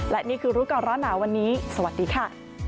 และนี่คือรู้ก่อนร้อนหนาวันนี้สวัสดีค่ะ